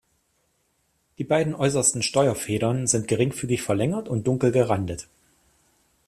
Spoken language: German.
Die beiden äußersten Steuerfedern sind geringfügig verlängert und dunkel gerandet.